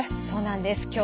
そうなんです。